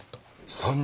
３人？